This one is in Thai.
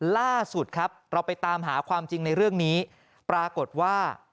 ล่าสุดครับเราไปตามหาความจริงในเรื่องนี้ปรากฏว่า